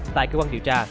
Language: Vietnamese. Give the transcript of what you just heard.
tại cơ quan điều tra